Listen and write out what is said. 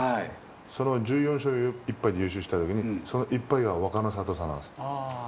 その１４勝１敗で優勝したときに、その１敗が若の里さんなんですよ。